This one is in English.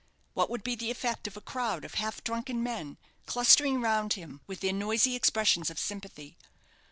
What would be the effect of a crowd of half drunken men, clustering round him, with their noisy expressions of sympathy?